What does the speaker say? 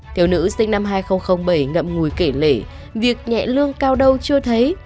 theo nữ sinh năm hai nghìn bảy ngậm ngùi kể lễ việc nhẹ lương cao đâu chưa thấy